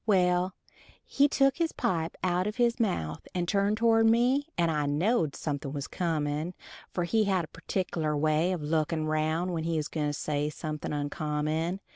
Well, he took his pipe out of his mouth and turned toward me, and I knowed something was comin', for he had a pertikkeler way of lookin' round when he was gwine to say anything oncommon.